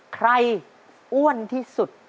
ใครอ้วนที่สุด